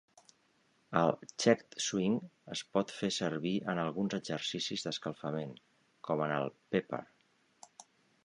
El "checked swing" es pot fer servir en alguns exercicis d'escalfament, com en el "pepper".